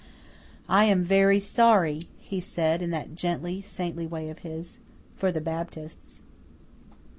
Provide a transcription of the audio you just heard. "I am very sorry," he said in that gently, saintly way of his, "for the Baptists."